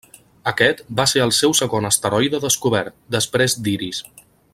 Aquest va ser el seu segon asteroide descobert, després d'Iris.